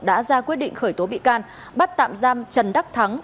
đã ra quyết định khởi tố bị can bắt tạm giam trần đắc thắng